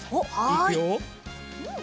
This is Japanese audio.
いくよ。